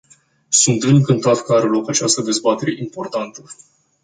Sunt încântat că are loc această dezbatere importantă.